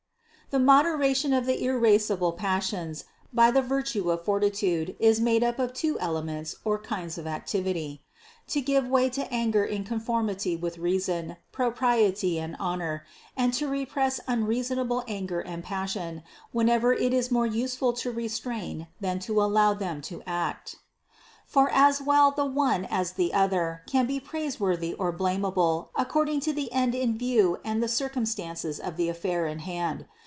572. The moderation of the irascible passions by the virtue of fortitude is made up of two elements or kinds of activity : to give way to anger in conformity with reason, propriety and honor, and to repress unreasonable anger and passion, whenever it is more useful to restrain than to allow them to act. For as well the one as the other can be praiseworthy or blamable according to the end in view and the circumstances of the affair in hand.